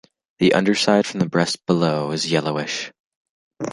The underside from the breast below is yellowish.